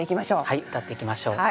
はい詠っていきましょう。